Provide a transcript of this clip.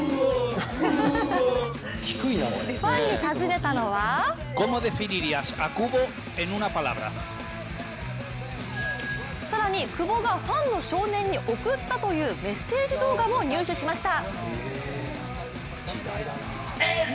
ファンに尋ねたのは更に久保がファンの少年に送ったというメッセージ動画も入手しました。